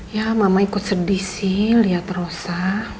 ya mama ikut sedih sih lihat rosa